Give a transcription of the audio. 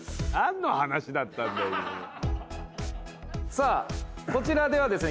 さあこちらではですね